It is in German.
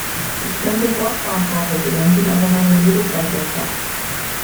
Ich könnte fortfahren, Frau Präsidentin, aber meine Redezeit läuft ab.